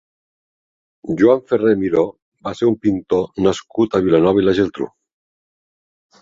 Joan Ferrer Miró va ser un pintor nascut a Vilanova i la Geltrú.